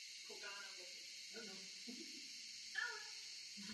Komise na žádosti Parlamentu dosud jasně neodpověděla.